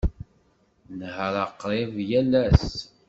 Nehhṛeɣ qrib yal ass.